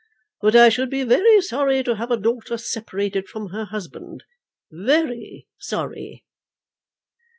But I should be very sorry to have a daughter separated from her husband, very sorry."